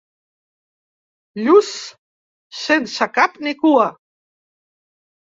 Lluç sense cap ni cua.